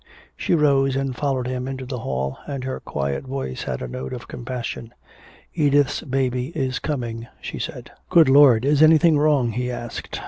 She rose and followed him into the hall, and her quiet voice had a note of compassion. "Edith's baby is coming," she said. "Good Lord. Is anything wrong?" he asked.